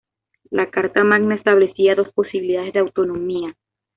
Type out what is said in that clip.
La Carta Magna establecía dos posibilidades de autonomía.